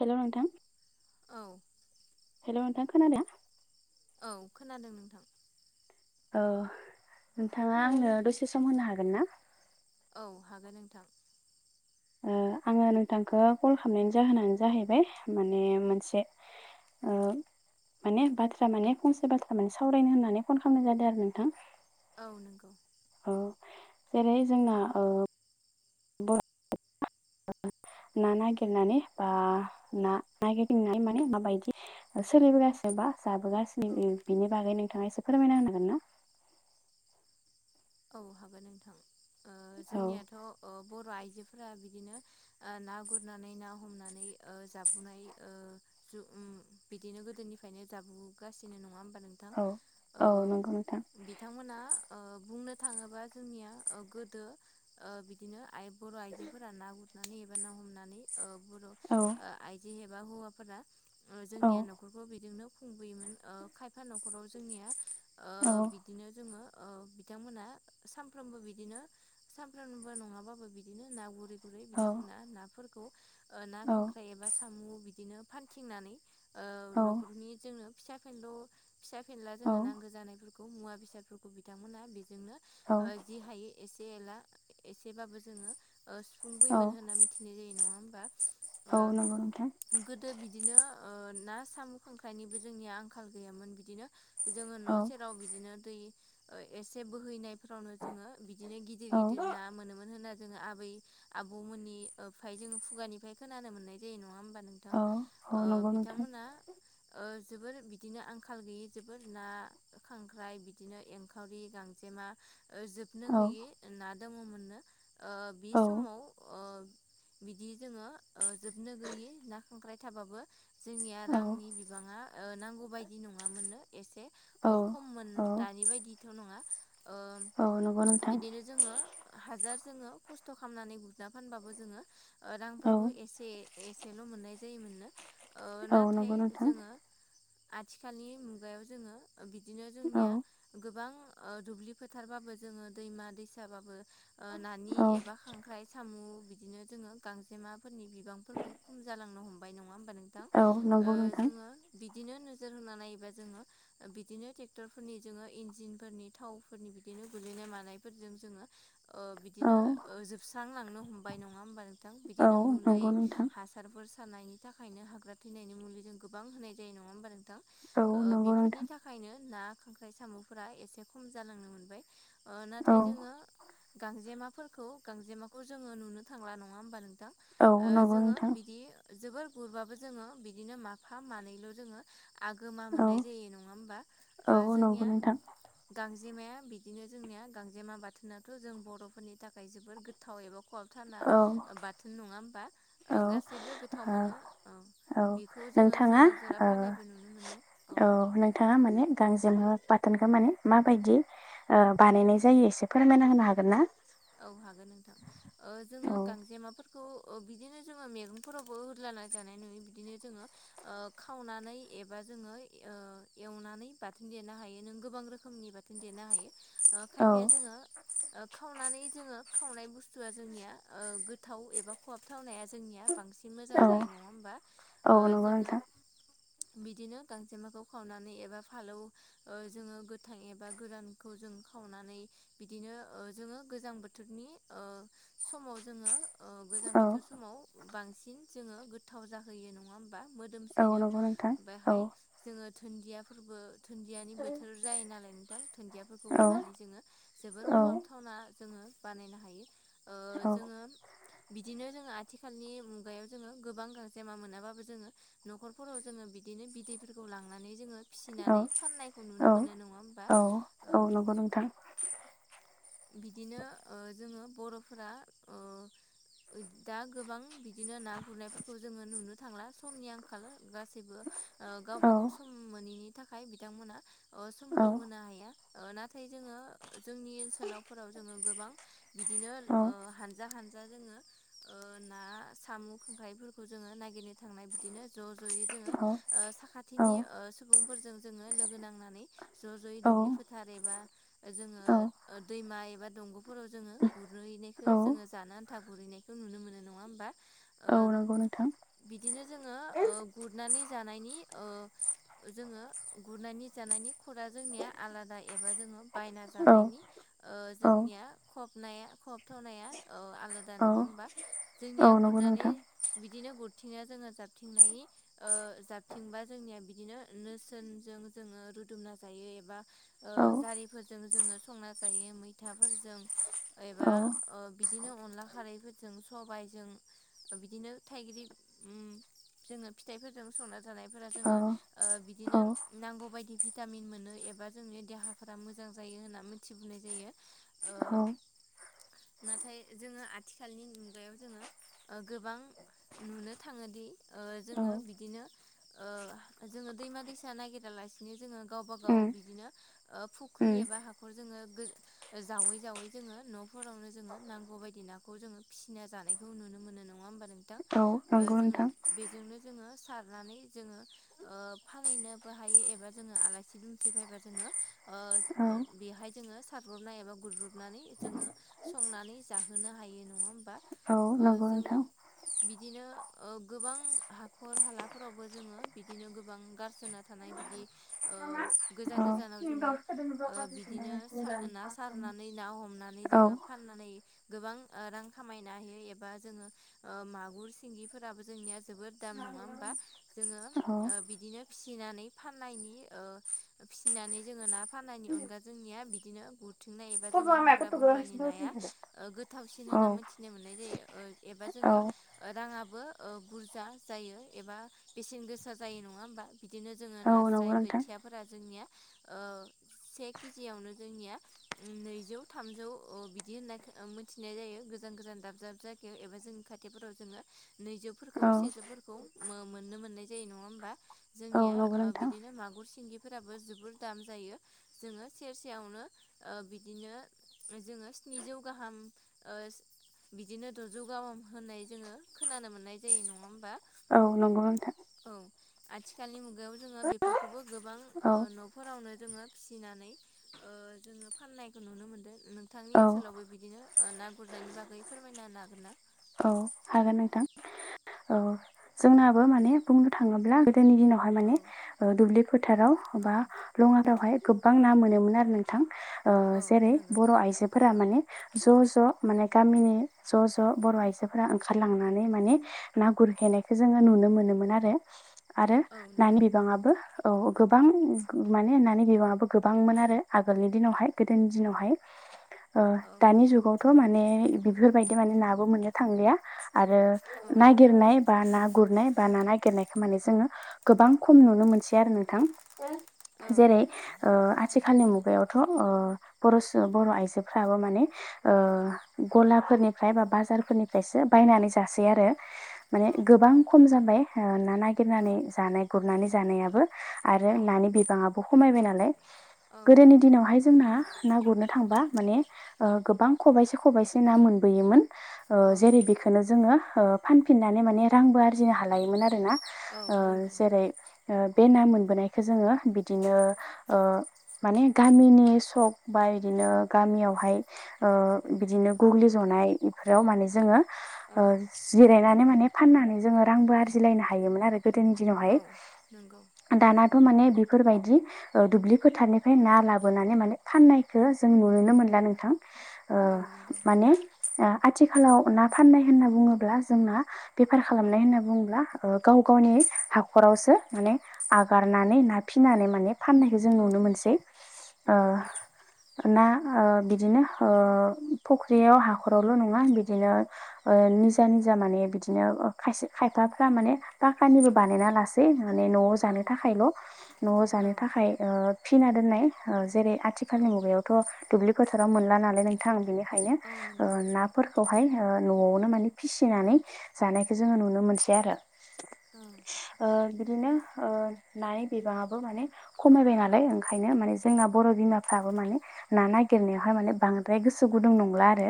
हेल' नोंथां औ हेल' नोंथां खोनादों? औ खोनादों नोंथां। औ नोंथाङा आंनो दसे सम होनो हागोन ना? औ हागोन नोंथां। ओ आङो नोंथांखौ कल खालामनायनि जाहोनानो जाहैबाय माने मोनसे [unintelligible] माने बाथ्रा, माने फंसे बाथ्रा माने सावरायनो होननानै फन खालामनाय जादों आरो नोंथां औ नंगौ। औ जेरै जोंना ओ बर' ना नागिरनानै बा ना नागिरदिंनानै माने माबायदि सोलिबोगासिनोबा औ जाबोगासिनो बिनि बागै नोंथाङा एसे फोरमायना होनांगोन ना? औ हागोन नोंथां। औ जोंनियाथ' बर' आइजोफोर [unintelligible] बिदिनो ना गुरनानै ना हमनानै जाबोनाय। बिदिनो गोदोनिफ्रायनो जाबोगासिनो नङा [unintelligible] नोंथां औ नंगौ नोंथां बिथांमोना अ बुंनो थाङोबा जोंनिया गोदो बिदिनो आइ- बर' आइजोफोरा ना गुर हनानै एबा ना हमनानै बर' औ आइजो एबा हौवाफोरा औ जोंनिया नखरखौ बिजोंनो खुंबोयोमोन। खायफा न'खराव जोंनिया ओ बिदिनो जोङो बिथांमोनहा सानफ्रामबो बिदिनो सानफ्रामबो नङाबाबो बिदिनो ना [unintelligible] गुरै औ बिथांमोना नाफोरखौ ना, खांख्राइ एबा साम' बिदिनो फानथिंनानै ओ औ न'खरनि जोंनो फिसा- फेनल' फिसा- फेनला जोङो औ नांगौ जानायफोरखौ मुवा -बेसादफोरखौ बिथांमोना बेजोंनो औ जि हायो एसे [unintelligible] एसेबाबो जोङो औ सुफुंबोयोमोन होनना मिथिनाय जायो। नङा ओ औ नंगौ नोंथां। गोदो बिदिनो ना साम' खांख्राइनिबो जोंनिया आंखाल गैयामोन बिदिनो जोङो औ न' सेराव बिदिनो दै एसे बोहैनाय [unintelligible] जोङो बिदिनो गिदिर औ गिदिर ना मोनोमोन होननानै जोङो आबै -आबौमोननि ओमफ्राय जोङो खुगानिफ्राय खोनानो मोननाय जायो। नङा नोंथां औ औ नंगौ नोंथां बिथांमोना जोबोर बिदिनो आंखाल गैयि जोबोर ना खांख्राइ बिदिनो एंखावरि गांजेमा ओ जोबनो औ गैयै ना दंङोमोननो ओ बि औ समाव ओ बिदि जोंङो ओ जोबनो गैयि ना खांख्राय थाबाबो जोंनिया औ रांनि बिबांङा ओ नांगौ बायदि नंङा मोननो। एसे औ खममोन औ दानि बायदिथ' नंङा। ओ औ नंगौ नोंथां बिदिनो जोंङो हाजार जोंङो खस्थ' खामनानै गुरना फानबाबो जोंङो औ रांफोरखौ एसे एसेल' मोननाय जायोमोननो। ओ औ नंगौ नाथाय नोंथां जोंङो आथिखालनि मुगायाव जोंङो बिदिनो औ जोंनिया गोबां ओ दुब्लि फोथारबाबो जोंङो दैमा दैसाबाबो ओ नानि औ एबा खांख्राइ सामु बिदिनो जोंङो गांजेमाफोरनि बिबांफोरखौ खम जालांनो हमबाय नङा होम बा नोंथां? औ ओ नंगौ नोंथां जोङो बि दिनो नोजोर होना नायोबा जोंङो बिदिनो ट्रेक्टरफोरनि जोंङो इन्जिनफोरनि थाव फोरनि बिदिनो गोलैनाय मानायफोरजों जोंङो ओ औ बिदिनो ओ जोब लांनो हमबाय नंङा होमबा नोंथां? औ बिदिनो मुलै नंगौ नोंथां हासारफोर थानायनि थाखायनो हाग्रा थैनायनि मुलि जों गोबां होनाय जायो, नंङा होमबा नोंथां? औ ओ नंगौ बेफोरनि नोंथां थाखायनो ना खांख्राइ सामनफोरा एसे खम जालांनो मोनबाय। ओ औ नाथाय जोंङो गांजेमाफोरखौ गांजेमाखौ जोंङो नुनो थांला नंङा होमबा नों थां? ओ औ नंगौ जोंङो नोंथां बिदि जोबोर गुरबाबो जोंङो बिदिनो माफा मानैल' जोंङो आगोमा औ मोननाय जायो नंङा होमबा। ओ औ नंगौ जोंनिया नोंथां गांजेमाया बिदिनो जोंनिया गांजेमा बाथोनाथ' जों बर'फोरनि थाखाय जोबोर गोथाव एबा खहाब थाना औ बाथोन नंङा होमबा? औ गासैबो गोथाव मोनो अह। औ नोंथांङा ओ नुनो मोनो औ नोंथांङा माने गांजेमा बाथोनखो माने माबायदि बानायनाय जायो एसे फोरमायना होनो हागोनना? औ हागोन नोंथां। ओ औ जोङो गांजेमाफोरखौ खौ बिदिनो जोंङो मैगंफोरावबो होदलाना जानाय नुयो बिदिनो जोंङो ओ खावनानै एबा जोंङो ओ एवनानै बाथोन देनो हायो। नों गोबां रोखोमनि बा थोन देनो हायो। खायफाया औ जोंङो खावनानै जोंङो खावनाय बुस्थुआ जोंनिया गोथाव एबा खहाबथावनाया जोंनिया बांसिन मोजां औ जायो, नंङा होमबा? औ ओ नंगौ जोंङो नोंथां बिदिनो गांजेमाखौ खावनानै एबा फालौ ओ जोंङो गोथां एबा गोरानखौ जों खावनानै बिदिनो ओ जोंबो गोजां बो बोथोरनि ओ समाव जोङो ओ गोजां औ बोथोर समाव बां सिन जोंङो गोथ्थाव जाहोयो नंङा होमबा, औ मोदोमसिनो नंगौ नोंथां औ बेहाय जोंङो धुन्दियाफोरबो धुनदियानि बोथोर जायो नालाय नोंथां, धनन्दियाफोरखौ औ होनानै जोंङो जोबोर औ खहाब थावना जोङो बानायनो हायो। ओ औ जोङो बिदिनो जोंङो आथिखालनि मुगायाव जोंङो गोबां गांजेमा मोनाबाबो जोंङो न'खरफोराव जोंङो बि दिनो बिदैफोरखौ लांनानै जोंङो औ फिसिनानै फाननायखौ नुनो औ मोनो नंङा होमबा? औ ओ औ नंगौ नोंथां बिदिनो ओ जोंङो बर'फोरा ओ दा गोबां बिदिनो ना गुरनायफोरखौ जोंङो नुनो थांला समनि आंखाल। गासैबो औ गावबागाव सम मोनैनि थाखाय बिथांमोना औ समखौ होनो हाया। ओ नाथाय जोंङो जोंनि ओनसोलावफोराव जोंङो गोबां बिदिनो औ ओ हानजा हान जा जोंङो ना, सामु, खांख्राइफोरखौ जोंङो नागिरनो थांनाय बिदिनो ज' ज'यै जोंङो औ ओ औ साखाथिनि सुबुंफोरजों जोंङो लोगो नांनानै ज' ज'यै दु ब्लि फोथार एबा जोंङो औ ओ दैमा एबा दंग'फोराव जोंङो गुरनोहैनायखो औ जोंङो जानो आन गुरैनायखौ नुनो मोनो नङा होमबा ओ औ नंगौ नोंथां बिदिनो जोङो गुरनानै जानायनि ओ ओ जोङो गुरनानै जानायनि खरा जोंनिया आलादा एबा जोङो बायना औ जानायनि ओ औ जोंनिया खबनाया खबथ'नाया ओ आलादा औ नङा होमबा औ जोंनिया नंगौ गुरनानै नोंथां बिदिनो गुर जोङो जाबथिंनायनि ओ जाबथिंबा जोंनिया बिदिनो नोरसोनजों जोङो रुदुमना जायो एबा ओ औ जारिफोरजों जोङो संना जायो मैथाफोरजों एबा औ ओ बिदि बिदिनो अनला खारैफोरजों सबायाइजों बिदिनो थाइगिर जोङो फिथाइफोरजों संना जानायफोरा जोङो औ ओ औ बिदिनो नांगौ बायदि फिथाइ भिटामिन मोनो एबा जोंनि देहाफोरा मोजां जायो होन्ना मिथिबोनाय जायो ओ औ नाथाय जोङो आथिखालनि मुगायाव जोङो ओ गोबां नुनो थाङोदि ओ औ जोङो बिदिनो ओ जोङो दैमा दैसा नागिरा लासिनो जोङो गावबा उम गाव बिदिनो ओ फुख्रि उम एबा हाखर जोङो जावै जावै जोङो न'फोरावनो जोङो नांगौ बायदि नाखौ जोङो फिसिना जानायखौ नुनो मोनो नङा होमबा नोंथां औ ओ नंगौ जोङो नोंथां बेजोंनो जोङो सारनानै जोङो फानहैनोबो हायो एबा जोङो आलासि दुमसि फैबा जोङो औ बेहाय जोङो सारब्रबनाय एबा गुरब्रबनानै जोङो संनानै जाहो होनो हायो नङा होमबा औ नंगौ जोङो नोंथां बिदिनो गोबां हाखर हालाफोरावबो जोङो बिदिनो गोबां गार थाना थानाय बिदि ओ गोजान औ गोजानाव जोङो ओ बिदिनो सा ना सारनानै ना हमनानै औ जोङो फाननानै गोबां रां खामायनो हायो एबा जोङो मागुर सिंगिफोराबो जोंनिया जोबोद दाम नङा होमबा जोङो औ बिदिनो फि फिनानै फाननायनि फिसिनानै जोङो ना फाननायनि अनगा जोंनिया बिदिनो गुरथिंनाय बा जोङो हाग्रा बंग्रानि नाया गोथावसिन औ होनना मोनथिनो मोननाय जायो एबा औ जोङो राङाबो बुरजा जायो एबा बेसेन गोसा जायो नङा होम बा बिदिनो जोङो औ नास्राय नंगौ नोंथां बोथियाफोरा जोंनिया से केजियावनो जोंनिया नैजौ थामजौ बिदि होननाय मिथिनाय जायो गोजान गोजान दाब दाब जायाखायाव एबा जोंनि खा खााथथायफोराव जोङो नैजौफोरखौ औ सेजौफोरखौ मोननो मोननाय जायो नङा होमबा औ जोंनिया नंगौ नोंथां बिदिनो मागुर सिंगि फोराबो जोबोर दाम जायो जोङो सेरसेयावनो बिदिनो जोङो स्निजौ गाहाम बिदिनो द'जौगाहाम होननाय जोङो खोनानो मोननाय जायो नङा होमबा औ नंगौ नोंथां औ आथिखालनि मुगायाव जोङो बेफोरखौबो गोबां औ न'फोरावनो जोङो फिनानै जोङो फाननायखौ नुनो मोनदों नोंथांनि औ ओनसोलावबो बिदिनो ना गुरनायनि बागै फोरमायना हागोन ना औ हागोन नोंथां औ जोंनाबो हागोन माने बुंनो थाङोब्ला गोदोनि दिनावहाय माने ना दुब्लि फोथाराव औ बा लङारावहाय गोबां ना मोनोमोन आरो नोंथां औ जेरै नंगौ बर' आइजोफोरा माने ज' ज' माने गामिनि ज' ज' बर' आइजोफोरा ओंखारलांनानै माने ना गुरहैनायखौ जोङो नुनो मोनोमोन आरो आरो औ नानि नंगौ बिबाङाबबो औ गोबां मानेानि बिबाङाबो गोबांमोन आरो आगोलनि दिनावहाय गोदोनि दिनावहाय औ दानि जुगावथ' माने बेफोरबायदि माने नाबो मोननो थांलिया आरो औ नागिरनाय बा ना गुरनाय बा ना नागिरनाय खामानि जोङो गोबां खम नुनो मोनसै आरो नोंथां औ [unintelligible] जेरै ओ आथिखालनि मुगायाव। थ ओ बर' सो बर' आयजो फ्राबो माने ओ गला फोरनि फ्राय बा बाजारफोरनिफ्रायसो बायनानै जासै आरो माने औ गोबां खम जाबाय ओ ना औ नागिरनानै जानाय गुरनानै जानायाबो आरो नानि बिबाङआबो खमायबाय नालाय। औ गोदोनि नंगौ दिनावहाय जोंना ना गुरनो थांबा माने ओ गोबां खबाइसे खबाइसे ना मोनबोयोमोन ओ औ जेरै बेखोनो जोङो ओ फानफिननानै माने रांबो आरजिनो हालायोमोन आरो ना औ ओ नंगौ जेरै ओ बे ना मोनबोनायखौ जोङो बिदिनो ओ माने गामिनि सक बा बिदिनो गामियावहाय ओ बिदिनो गग्लि जन नाय बेफोराव माने जोङो औ ओ जिरायनानै माने फाननानै जोङो रांबो आरजिलायनो हायोमोन आरो गोदोनि दिनावहाय। औ नंगौ दाना थ' माने बेफोरबायदि ओ दुब्लि फोथारनिफ्राय ना लाबोनानै माने फाननायखौ जों नुोनोनो मोनला नोंथां। ओ औ नंगौ माने आथिखालाव ना फाननाय होनना बुङो ब्ला जोंना बेफार खालामनाय होनना बुङोब्ला ओ गाव गावनि हाखरावसो माने आ नागारनानै ना फिनानै माने फाननायखौ जों औ नुनोमोनसै ओ ना ओ बिदिनो ओ फख्रियाव हाखरावल' नङा बिदिनो ओ नि निजा निजा माने बिदिनो खायसे खायफाफ्रा माने पाखानिबो बानायना लासै। माने न'आव औ जानो थाखायल' न'आव जानो औ औ थाखाय ओ फिना दोननाय ओ जेरै औ आथिखालनि मुगायावथ' दुब्लि फोथाराव मोनला नालाय नोंथां बेनिखायनो औ ओ नंगौ नाफोर खौहाय न'आवनो माने फिसिनानै जानायखौ जोङो नुनो मोनसै आरो। औ आ बिद बिदिनो ओ नानि बिबाङाबबो माने खमायबाय नालाय ओंखायनो माने जोंना बर' बिमाफ्राबो माने ना नागिरनायावहाय माने बांद्राय गोसो गुदुं नंला आरो।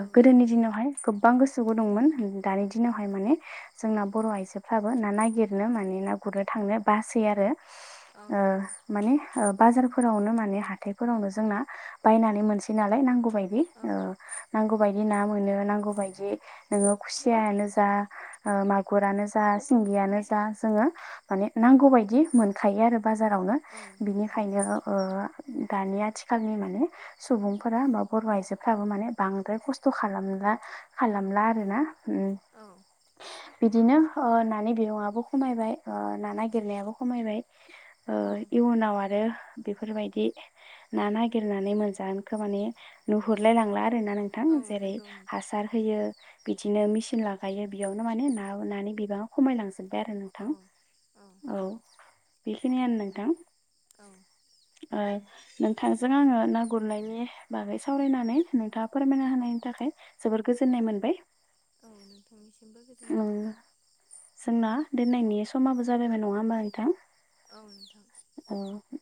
औ गोदोनि नंगौ दिनावहाय गोबां गोसो गुदंमोन दानि औ दिनावहाय माने। जोंना बर' आइजोफ्राबो ना नागिरनो माने ना गुरनो थांनो बासै आरो। औ ओ नंगौ माने ओ बाजारफोरावनो माने हाथायफोरावनो जोंना बायनानै मोनसै नालाय नांगौ बायदि औ नांगौ बायदि ना मोनो नांगौ बायदि नोङो खुसियानो जा मागुरानो जा सिंगियानो जा जोङो माने म नांगौ बदि मोनखायो आरो बाजारावनो औ नंगौ बिनिखायनो ओ दानि आथिखालनि माने सुबुंफोरा बा बर' आइजोफ्राबो माने बांद्राय खस्थ' खालाम खालामला आरोबाव ओम औ [unintelligible] बिदिनो ओ नानि बिबङा खमायबाय ओ ना नागिरनायाबो खमायबाय। ओ इयुनाव आरो बेफोरबायदि ना नागिरनानै मोनजानायखौ माने नुहुरलाय लांला आरो। ना नोंथां औ जेरै नंगौ नोंथां हासार यो बिदिनो मिसिन लाागायो बेयावनो माने नाबो नानि बिबाङा खमायलांसि जोबबाय आरो नोंथां औ औ बेखिनियानो नोंथां। औ। ओ नोंथांजों आङो ना गुरनायनि बागै सावरायनानै नोंथाङा फोरमायना होनायनि थाखाय जोबोर गोजोन्नाय मोनबाय। औ नोंथांनिसिमबो गोजोननाय उम थाबाय। जोंना दोननायनि समाबो जाबायमोन नङा होमबा नोंथां। औ नोंथां। औ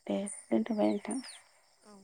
दे दोनथ'बाय नोंथां। औ